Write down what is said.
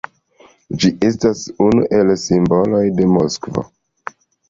Ĝi estas unu el simboloj de Moskvo.